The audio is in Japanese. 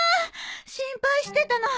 心配してたの。